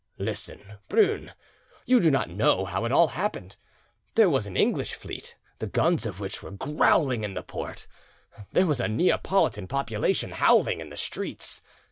Listen, Brune: you do not know how it all happened. There was an English fleet, the guns of which were growling in the port, there was a Neapolitan population howling in the streets.